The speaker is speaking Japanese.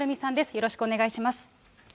よろしくお願いします。